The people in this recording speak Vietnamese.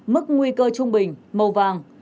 mức nguy cơ trung bình màu vàng